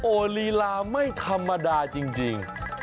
ลีลาไม่ธรรมดาจริง